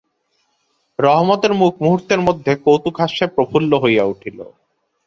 রহমতের মুখ মুহূর্তের মধ্যে কৌতুকহাস্যে প্রফুল্ল হইয়া উঠিল।